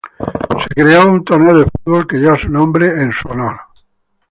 Se creó un torneo de fútbol que lleva su nombre en su honor.